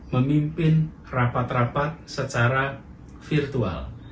memimpin rapat rapat secara virtual